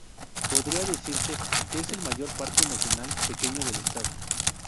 Podría decirse que es el mayor parque nacional pequeño del estado.